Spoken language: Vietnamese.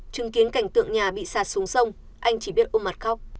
chứng kiến cảnh tượng nhà bị sạt xuống sông anh chỉ biết ôm mặt khóc